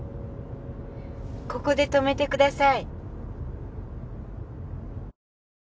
ここで止めてください。